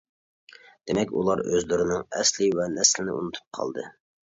دېمەك، ئۇلار ئۆزلىرىنىڭ ئەسلى ۋە نەسلىنى ئۇنتۇپ قالدى.